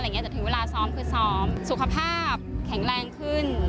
แต่ถึงเวลาซ้อมคือซ้อมสุขภาพแข็งแรงขึ้น